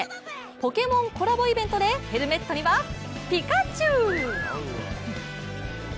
ポケモンコラボイベントでヘルメットにはピカチュウ。